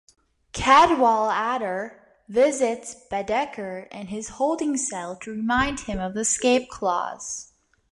Cadwallader visits Bedeker in his holding cell to remind him of the escape clause.